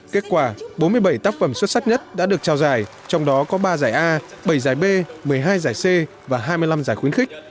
kết quả bốn mươi bảy tác phẩm xuất sắc nhất đã được trao giải trong đó có ba giải a bảy giải b một mươi hai giải c và hai mươi năm giải khuyến khích